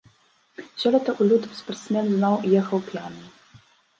Сёлета ў лютым спартсмен зноў ехаў п'яным.